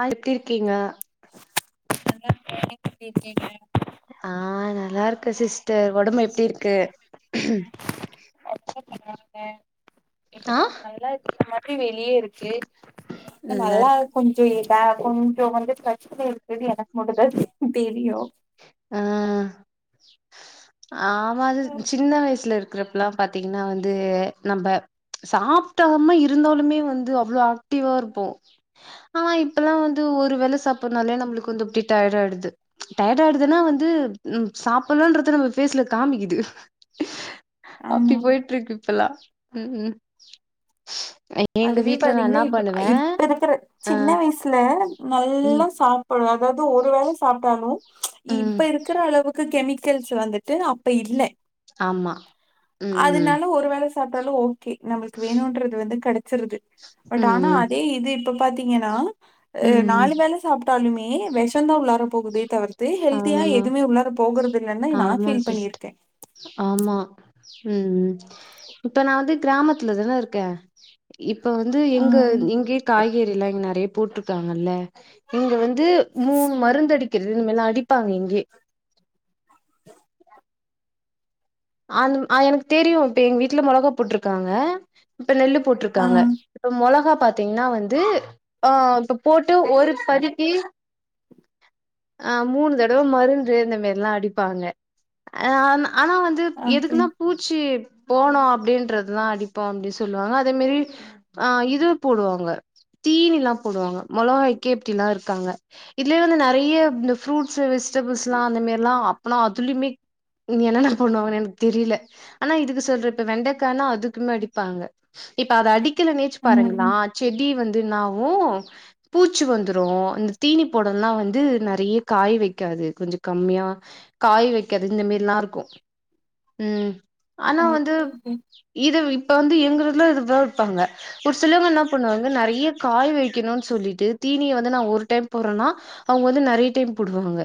ஆ எப்டி இருக்கீங்க நல்லாருக்கே நீங்க எப்டி இருக்கீங்க ஆ நல்லாருக்கே சீஸ் டு ஒடம்பு எப்டி இருக்கு [inaudible] [inaudible] ஆ ப்டி வெளியேருக்கு நல்லா கொஞ்சோ ட கொஞ்சோ வந்து பிரசனா இருக்கிற்து எனக்கு மட்டோந்த தெரியு ஆ ஆமா அது சின்ன வயசுல இரு கிறப்லா பாத்தீங்னா வந்து நம்ப சாப்டாம இருந்தாலுமே வந்து அவ்ளோ ஆக்டிவா இருப்போ ஆனா இப்பல்லா வந்து ஒரு வேல சாப்பல்னாலே நம்ளுக்கு கொஞ்சோ [unintelligible] டயர்ட் ஆயிடுது டயர்ட் ஆயிடுதுனா வந்து உம் சாப்புல்லன்றத நம்ம பேஸ்ல காமிக்குது அப்டி ஆமா போயிட்டுருக்கு இப்பெல்லா உ உம் அதுவே பாத்தீங்னா இப்ப ஆ இப்ப இருக்கிற ஆ சின்ன வயசுல ம் நல்லா சாப்புடுவே னாது ஒரு வேள சாப்ட்டாலு ச்ச இப்ப ம் இருக்கிற அளவுக்கு கெமி க்கல்ஸ் வந்துட்டு அப்ப இல் ஆமா ம் அதுனால ஒரு வேள சாப்ட்டாலு கே நம்ளுக்கு வேணுன்றது வந்து கட சொல்றது பட் ம் ஆனா ம் அதே இது இப்ப பாத்தீங்கனா அ ம். நாலு வேள சாப் டாலுமே விஷந்தா உள்ளார போகுதே தவிர் தே ஹெல்தியா ஆமா, எதுமே உள்ளார போகறதில்லன்னு நா ஆமா ஃபீல் பண்ணி இருக்கே ச்ச உ உம் இப்ப நா வந்து கிராமத்துல தானே இருக்கே இப் இப்ப வந்து ஆ, எங்க இங்கே காய்கறிலா இங்க நெறைய பூட்டுத்தாங்கல்லே இங்க வந்து மூணு மருந்தடிக்கறினுமெலா அடி டிப்பாங்க இங்கே ஆந்தும் ஆ எனக் தெரியு இப்ப எங்க வீட்ல மொளகா போட்டிருக்காங்க நெல்லு ஆ, போட்டுருக்காங்க இப்ப மொளகா பாத்தீங்னா வந்து ஆ இப்ப போட் டு ஒரு பதிக்கி அ மூணு தடவ மருந்து இந்தமறில்லா அடிப்பாங்க அ ஆமா ஆனா வந் ஓகே. எதுக்குன்னா பூச்சிப் போனோம் அப்படின்றதுதான் அடிப்போம் அப்படின் சொல்லுவாங்க அதே மாதிரி ஆஹ் இது போடுவாங்க தீனிலா போடுவாங்க மொளகாய்க்கே இப்படில்லா இருக்காங்க இதுலயே வந்து நிறைய இந்த ஃப்ரூட்ஸ் வெஜிடபிள்ஸ்ல்லா அந்த மாரில்லாம் அப்பளா அதுலயுமே என்னென்ன பண்ணுவாங்க ந தெரியல ஆனா இது சொல்றப்ப வெண்டக்கானா அதுக்குமே அடிப்பாங்க இப்ப அத அடி கில்ல நேச் பாருங்களா ம். செடி வந் தின்னாகு பூச்சி வந்துரு இந்த தீனி போட எல்லா வந்து நெறைய காய் வைக்காது கொஞ்ச கம்மியா காய் வைக்காது இந்த மரில்லா இருக்கு உம் ஆனா வந்து ஓகே, ஓகே. இத இப்ப வந்து எங்களு இது வப்பாங்க ஒரு சிலவங்க என்ன பண்ணுவாங்க நறையே காய் வைக்கனு சொல்லிட்டு தீனிய வந்து நா ஒரு டைம் போடுறேன்னா அவங்க வந்து நறைய டைம் போடுவாங்க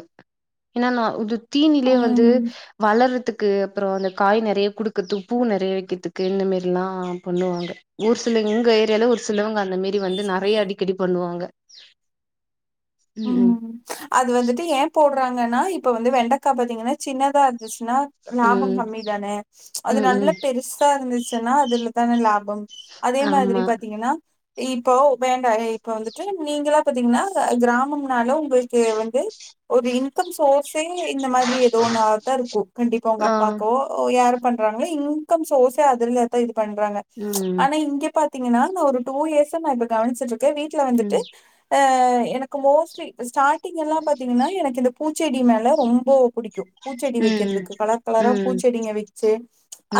ஏன்னா நா உடுத் தீனிலே வந்து ம். வளரதுக் கே அப் அப்ரோ அந்த காய் நெறைய குடுக்கதும் பூ நெறைய வைக்கிறதுக்கு இந்த மெரில்லா பண்ணுவாங்க ஒரு சில இங்கயே செலவு ஒரு சிலவங்க அந்த மேறி வந்து நேறய அடிக்கடி பண்ணுவாங்க ம் அது வந்துட்டு ஏ போடுறாங்க ங்கன்னா இப்ப வந்து வெண்டக்கா பாத்தீங்கனா சின்னதா இருந்துச்சின்னா லாபம் ம் கம்மி தான அது ம் ம் நல்ல ம் பெருசா இருந்துச்சுன்னா அதுல தன லாபம் அதே மாதிரி ஆமா பாத்தீங்கனா இப்போ வேண்டா இப்போ வந்துட்டு நீங்கலா பத்தீங்கனா கிரா மும் நாளோ புளிக்கே வ்ந்து ஒரு இன்கம் சோஸ் தே இந்த மாதிரி ஏதோ ஒன்னு ஆத்தர் கூக்கண்டிப்பா உங்க ஆ அப்பாக்கோ ஓ யாருப் பண்றாங்க இன்கம் சோர்சே அதலதா இருக் பண்றாங்க ம் ஆனா இங்க பாத் திங்கன்னா ஒரு டூ இயர்ஸ் நா இப்ப கவனிச்சிட்டு தே வீட்ல ம் வந்துட்டு அஅப் அ எனக் கும் மோஸ்லி ஷ் ஸ்டார்ட் திங்கால்லாம் பாத்தீங்கனா எனக்கு இந்த பூச்செடி மேல ரொம்ப புடிக்கு பூச்செடி ம் வெக்கிறதுக்கு கலர் கலரா ம் ம் பூச்செடிங்க வெச்சு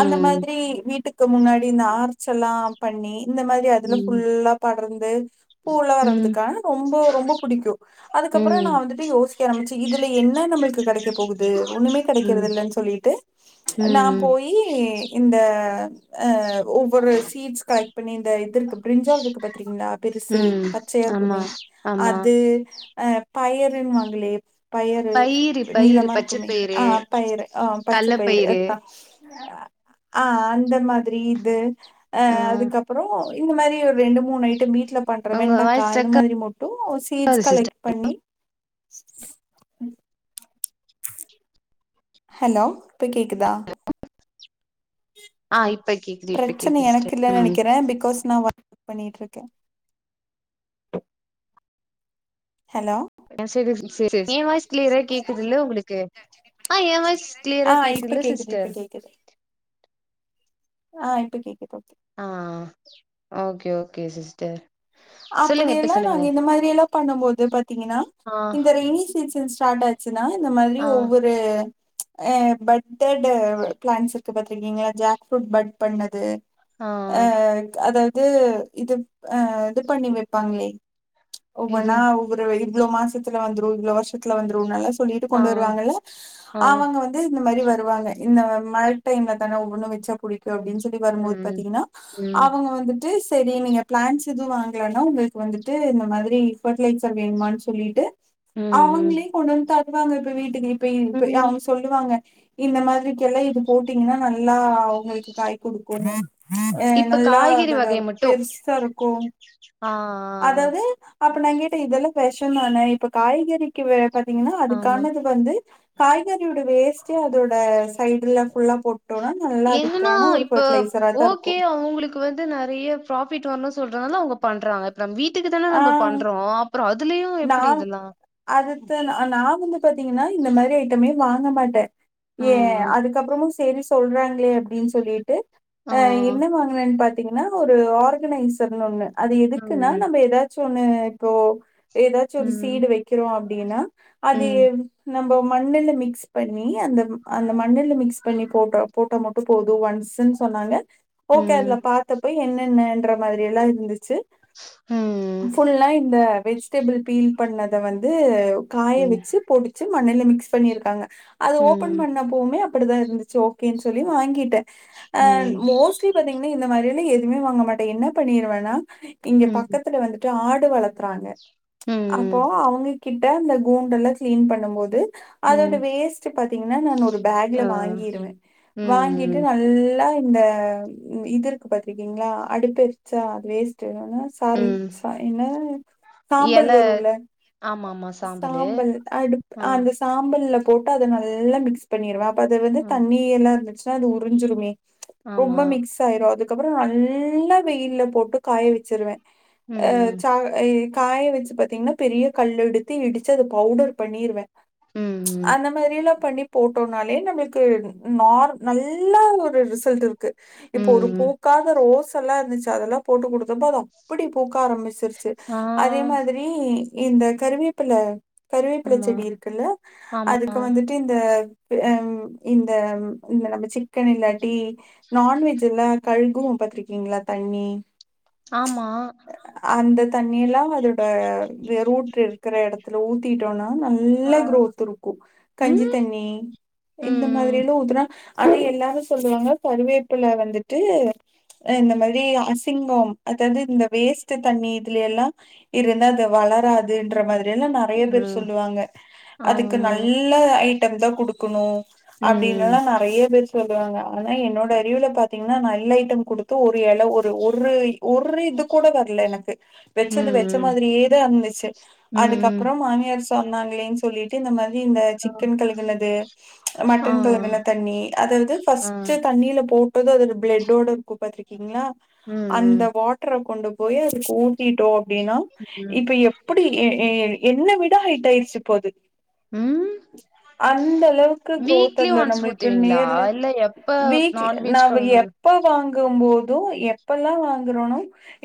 அந்த மாதிரி வீட்டுக் க்கு முன்னாடி இந்த ஆர்ச்சல்லா பண்ணி இந்த மாதிரி அதுலாம் ம் ஃபுல்லா படர்ந்து பூல்லா ம் வர்றதுக்கான ரொம்பொ ரொம்பொ புடிக்கு அதுக்கப்புற நா ம் வந்துட்டு யோசிக்க ஆரம்பிச்சே இதுல என்ன நம்ளுக்கு கெடைக்க போகுது ஒண்ணுமே ம் கெடைக்கறதில்லன்னு சொல்லிட்டு நா ம் போயி இந்த அஹ் ஒவ்வொரு சீட்ஸ் கலெக்ட் பண்ணி இந்த இது இருக்கு பிரிஞ்சால் இருக்கு பாத்தீங்களா பெருசு ம் பச்சையா ஆமா இருக்குமே ஆமா அது அ பயருன்வாங்களே பயரு பயிறு பயிறு நீளமா பச்ச இருக்குமே பயிறு ஆ பயரு ஆ பச்ச பயிறு அத்தா ஆ அந்த மாதிரி இது ஆ அஹ அதுக்கப்புறொ இந்த மாரி ஒரு ரெண்டு மூணு ஐட்டம் வீட் பண்றே உங்க வெண்டக்கா வாய்ஸ் இந்த ஸ்ட்ரக் மாதிரி மொ சீட்ஸ் ஆகுது சிஸ்டர் கலெக்ட் பண்ணி ம் ஹலோ இப்ப கேக்குதா ஆ இப் பிரச்சன எனக்கு இல்லன்னு நெனைக்கறே பிகாஸ் நான் ஒர்க பண்ணிட்டு இருக்கே சரி ஏ வாய்ஸ் கிளியரா சேரி கேக்குது இல்ல சேரி உங்களுக்கு நீ ஆஹ் ஏ வாய்ஸ் கிளியரா ஆ இப்ப கேக்குதுல கேக்குது சிஸ்டர் இப்ப கேக்குது ஆ இப்ப கேக்குது ஆஹ் ஓகே ஓகே சிஸ்டர் சொல்லுங்க இப்ப அப்படியல்லா சொல்லுங்க நாங்க இந்த மாதிரியெல்லா பண்ணும் போது பாத்தீங்கன்னா ஆ இந்த ரெய்னி சீசன்ஸ் ஸ்டார்டாச்சு சுன்னா இந்த மாதிரி ஆ ஒவ்வொரு அ பட் [unintelligible] பிளாட்ன்ஸ் கு பாத்திருக்கீங்ளா ஜாக்ஃபுரூட் பட் பண்ணது ஆ அ அத இது இது ஆஹ் இது பண்ணி வெப்பாங்களே ஒவ்வொன்னா எது ஊற வெ இவ்வளோ மாசத்துல வந்துரு இவ்வளோ வருஷத்துல வந்துருன்னல்லா சொல்லிட்டு ஆ கொண்டு வருவாங்கல்ல ஆ அவங்க வந்து இந்த மாரி வ வாங்க இந்த மழை டைம்ல தானே ஒவ்வொனு வச்ச புடி அப்படினு சொல்லி வரும்போது ம் பாத்தீங்கனா ம் அவங்க வந்து சரி நீங்க பிளான்ஸ் எதுவும் வாங்கலனா உங்களுக்கு வந்துட்டு அ மாதிரி பர்டிலைசர் வேணுமா சொல்லிட்டு ம் ம் அவங்களே கொண்டு வந்து தர வாங்க இப்போ வீட்டுக்கு இப்படி ம் அவங்க சொல்லுவாங்க இந்த மாதிரிக்கெல்லாம் இது போட்டீங்கன்னா நல்லா அவங்களுக்கு காய் கொடுக்குங்க இப்ப நல்லா காய்கறி அதோட வகை மட்டு பெருசா இருக்கு ஆ அதாவது அப்ப நா கேட்டே இதெல்லாம் விஷ தானே இப்ப காய்கறிக்கு பாத்தீங்கன்னா ஆமா அதுக்கானது வந்து காய்க வேஸ்ட் அதோட சைடுல புல்லா போட்டோனா நல்லா என்னன்னா அதுக்கான ஒரு இப்ப பர்ட்டிலைசரா தா இருக்கு ஓகே அதனால அவங்க பண்றாங்க இப்ப நம்ம வீட்டுக்கு தான ஆ நம்ம பண்றோ அப்புறோ அதுலயு நா எப்டி இதெல்லா அதுக்குதா நா வந்து பாத்தீங்கன்னா இந்த மாதிரி ஐட்டமே வாங்க மாட்டே ஆ ஏ அதுக்கப்புறமு சரி சொல்றாங்களே அப்படினு சொல்லிட்டு ஆ என்ன வாங்கினேனு பாத்தீ பாத்தீங்கன்னா ஒரு ஆர்கனைசர் ஒண்ணு அது எதுக்குன்னா ம் ஏதாச்சு ஒன்னு இப்போ ஏதாச்சு ஒரு ம் சீடு வைக்கிறோ அப்படினா அது ம் நம்ம மண்ணில் மிக்ஸ் பண்ணி அந்த அந்த மண்ணில்ல மிக்ஸ் பண்ணி போட்டா போட்டா மட்டு போதும் ஒன்ஸ்ஸுன்னு சொன்னாங்க ஓகே அதுல ம் பாத்தப்போ என்னன்னன்ற மாதிரில்லா இருந்துச்சு ம் ஃபுல்லா இந்த வெஜிடபிள் பீல் பண்ணத வந்து காய ம் வச்சு பொடிச்சு மண்ணல மிக்ஸ் பண்ணி இருக்காங்க அது ஓபன் ம் பண்ண போமே அப்படிதா இருந்துச்சு ஓகேனு சொல்லி வாங்கிட்டே அ ம் மோஸ்ட்லி பாத்தீங்கனா இந்த மாதிரி எதுவுமே வாங்க மாட்டே என்ன பண்ணிருவேனா ஹம் வந்துட்டு ஆடு வளர்த்துறாங்க அப்போ ம் அவங்க கிட்ட அந்த கூண்டெல்லாம் கிளீன் பண்ணும் போது அதோட ம் வேஸ்ட் பாத்தீங்கன்னா நான் ஒரு பேக்ல ஆ வாங்கிருவேன் வாங்கிட்டு ம் நல்லா இந்த இது இருக்கு பாத்திருக்கீங்களா அடுப் எரிச்சா அது வேஸ்ட்டு சல் ம் என்ன சாம்பல் எல வரும்ல ஆமா ஆமா சாம்பலு சாம்பல் அடுப் ஆ அந்த சாம்பல்ல போட்டு அதை நல்லா மிக்ஸ் பண்ணிருவேன் அது வந்து ஆ தண்ணி எல்லாம் இருந்துச்சு அது உறிஞ்சுருமே ஆமா ரொம்ப மிக்ஸ் ஆயிரும் அதுக்கு அதுக்கப்புறம் நல்லா வெயில போட்டு காய வச்சிருவேன் அஹ் ம் சா காய வச்சு பாத்தீங்கன்னா பெரிய கல் எடுத்து இடிச்சு அதது பவுடர் பண்ணிருவேன் ம் ம் அந்த மாதிரிலாம் பண்ணி போட்டோம்னாலே நம்மளுக்கு நார் நல்லா ஒரு ரிசல்ட் இருக்கு இப்போ ஒரு ம் பூக்காத ரோஸ் நல்லா இருந்துச்சு அதெல்லா போட்டு கொடுத்து விட்டா தா அப்படி பூக் ஆரம்பிச்சிருச்சு ஆ அதே மாதிரி இந்த கருவேப்பல கருவேப்பில ஆமா செடி இருக்குல்ல ஆமா அதுக்கு வந்துட்டு இந்த ம் இந்த இந்த நம்ம சிக்கன் இல்லாட்டி நான்வெஜ் எல்லாம் கழுக பாத்திருக்கீங்களா தண்ணி ஆமா அந்த தண்ணியெல்லாம் அதோட ரூட் இருக்கிற இடத்துல ஊத்திட்டோம்னா நல்ல ஆ கரோத் இருக்கு கஞ்சி ம் தண்ணி இந்த ம் மாதிரிலா ஊத்துறா அது எல்லாரும் சொல்லுவாங்க கருவேப்புல வந்துட்டு இந்த மாதிரி அசிங்கம் அதாவது இந்த வேஸ்ட்ட் தண்ணி இதுல எல்லாம் இருந்து அது வளராதுன்ற மாதிரி நிறைய பேர் ம் சொல்லுவாங்க அதுக்கு ஆமா நல்ல ம் தான் குடுக்கணு ம் அப்படின்னுல்லாம் நிறைய பேர் சொல்லுவாங்க ஆனா என்னோட அறிவுல பாத்தீங்கன்னா நல்ல ஐட்டம் கொடுத்து ஒரு இல ஒரு ஒரு இதுக்கு கூட வரல எனக்கு வச்சது வச்ச ம் மாதிரியே தான் இருந்துச்சு ம் அதுக்கப்புற மாமியார் சொ சொன்னாங்களேன்னு சொல்லிட்டு இந்தா மா இந்த சிக்க கலகது ஆ மட்டன் கலக தண்ணி அதாவது ஆ பர்ஸ்ட் தண்ணியில போட்டு அப்ப அது பிளட் டோட இருக்கு பாத்துருக்கீங்களா அந்த ம் வாட்டர் கொண்டு போய் அது கூட்டிட்டு அப்படின்னா ம் இப்ப எப்படி என்ன விடா ஹைட் ஆயிச்சு இப்போ அது ம் அந்த அளவுக்கு க்ரோத் வீக்லி அதுல ஒன்ஸ் நம்மளுக்கு ஊத்துவீங்களா நேர்ல இல்ல எப்ப வீட் நான்வெஜ் நான் கழுவுனாலு எப்ப வாங்க வாங்கும் போது எப்பல்லா வாங்கறனோ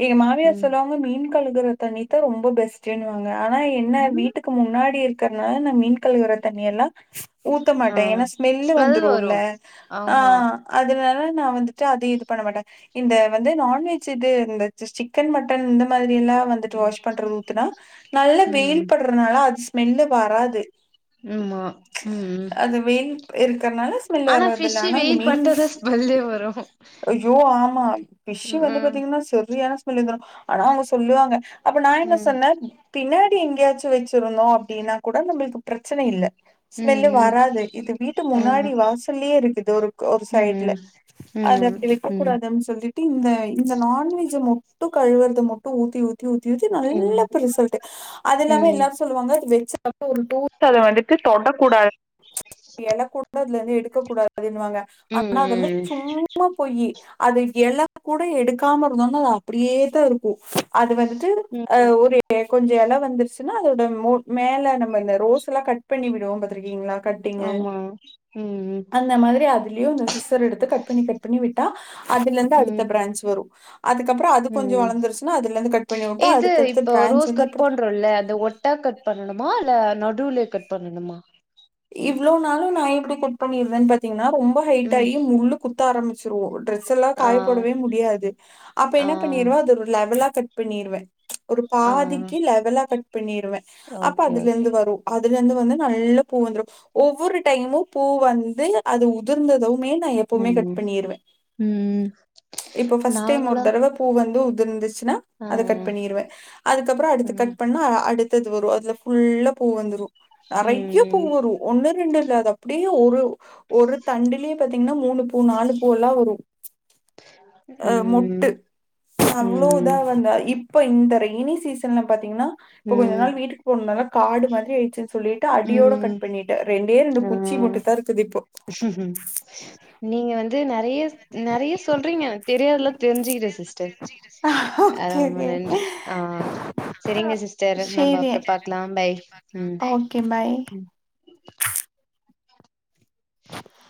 ஏ மாமியார் ம் சொல்லுவாங்க மீன் கழுகற தண்ணிதான் ரொம்ப பெஸ்ட்ன் வாங்க ஆனா என்ன ம் வீட்டுக்கு முன்னாடி இருக்கு க்கற நா மீன் கலவுற வோ தண்ணில்லாம் ஊத்த ஆ மாட்டேன் ஏன்னா ஸ்மெல் வந்துரும்ல ஆமா ஆஹ் அதனால நான் வந்துட்டு அது இது பண்ண மாட்டேன் இந்த வந்து நான்வெஜ் இது இருந்த ச சிக்கன் மட்டன் இந்த மாதிரி எல்லா வந்துட்டு ம் வாஷ் பண்றது ஊத்துனா நல்ல ம் வெயில் படுறனால அது ஸ்மெல்லு வராது உம்மா உம் இல் இருக்கனால ஸ்மெல் வர்றது இல்ல ஆனா அந்த மீன் பட்டாதா ஸ்மெல்லே வரு ஐயோ ஆமா பிஷ் வந்து ம் பாத்தீங்கன்னா சரியான ஸ்மெல் வந்ரு ஆனா அவங்க சொல்லுவாங்க அப்ப நான் என்ன ம் சொன்னேன் பின்ன எங்கேயாச்சும் வச்சிருந்தம் அப்படின்னா கூட நம்மளுக்கு பிரச்சனை இல்லை ம் ஸ்மெல்லு ம் வராது இது வீட்டு ம் முன்னாடி வாசல்லே இருக்குது ஒரு ஒரு சைட்ல ம் அதை ம் அப்படி வைக்கக்க ம் கூடாதுனு சொல்லி இந்த இந்த நான்வெஜ் கழுவது மட்டும் ஊத்தி ஊத் ஊத்தி ஊத்தி ம் நல்ல ரிசல்ட் அதுல்லாமே ம் எல்லாரும் சொல்லுவாங்க வச்சு அப்ப ஒருடூத்தால வந்துட்டு தொடக்கூடாது எழ கொட ல இருந்து எடுக்கூடாது அப்டின்வாங்க ம் ஆனா அதெல்லா ம் சும்மா பொய்யி அது எல்லா கூட எடுக்காம அது அப்படியே தான் இருக்கு அது வந்து ம் ஆஹ ஒரு கொஞ்ச இல வந்துருச்சு அதோட மேல ரோஸ் எல்லாம் கட் பண்ணி விடும் பாத்திருக்கீங்களா கட்டிங்கு ஆமா ம் அந்த மாத்ரி அத்லயு இந்த சிசர் எடுத்து கட் பண்ணி கட் பண்ணி விட்டா அத்லர்ந்து அடுத்த ம் பிரான்ச் வரு அதுக்கப்புற அது கொஞ்ச ம் வளர்ந்துருச்சுன்னா அதுலருந்து கட் பண்ணி விட்டா இது அடுத்தடுத்த இப்ப பிரான்ச் ரோஸ் வந்து கட் இப்டி பண்றோல்ல அது ஒட்டா கட் பண்ணணுமா இ இல்ல நடுவுலே கட் பண்ணணுமா இவ்ளோ நாளும் நா எப்டி கட் பண்ணிருவேன் பாத்தீங்கன்னா ரொம் ரொம்ப ஹைட் ம் ஆயி முள்ளு குத் குத்த ஆரம்பிச்சுருவோ ட்ரஸ் டிரெஸெல்லா ஆ காய போடவே முடியாது அப்ப ஆ என்ன பண்ணிர்வோ அது லெவலா கட் பண்ணீர்வ ஒரு ஆ பாதிக்கு லெவலா கட் பண்ணிருவே அப்ப ஓகே ஓகே அதுலருந்து வரும் அதுலர்ந்து வந்து நல்ல பூ வந்துரு ஒவ்வொரு டைமும் பூ வந்து அது உதிர்ந்ததோ மேல நா எப்பவுமே கட் ம் பண்ணிருவே ம் இப்ப ஃபர்ஸ்ட் டைம் ஒரு நாங்களா தடவ பூ வந்து உ இருந்துச்சு என்னா ஆ அத கட் பண்ணிருவே அதுக்கப்றோ அடுத்து ம் கட் பண்ணா அடுத் தஞ்சு வரு அதுல ஃபுல்லா பூ வந்துரு நெறைய்ய பூ ம் வரு ஒன்னு ரெண்டில்ல அது அப்டியே ஒரு ஒரு தண்டிலியே பாத்தீங்னா மூணு பூ நாலு பூல்லா வரு அ மொட்டு ம் அவ்ளோ இதா ம் வந்தா இப் இப்ப இந்த ரெய்னி சீசன்ல பாத்தீங்கனா ம் இப்ப கொஞ்ச ம் நாள் வீட்டுக் போன்னால காடு மாதிரி ஆய்ச்சு சொல்லிட்டு அடியோட ம் கட் பண்ணிட்டேன் ரெண்டே ரெண்டு ஆ குச்சி மட்டும் தான் இருக்குது இப்போ நீங்க வந்து நெறைய நெறைய சொல்றீங்க தெரியாதெல்லா தெரிஞ்சுக்கிறே சிஸ்டர் ஆ ஓகே ரொம்ப ஓகே நன்றி ஆ சேரிங்க சிஸ்டர் நம்ப அப்றோ பாக்லா பாய் ம் கே பாய் ம்